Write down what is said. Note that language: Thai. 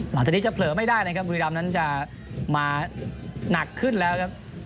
หลังจากนี้จะเผลอไม่ได้นะครับบุรีรำนั้นจะมาหนักขึ้นแล้วครับ